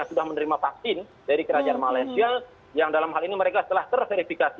sudah menerima vaksin dari kerajaan malaysia yang dalam hal ini mereka telah terverifikasi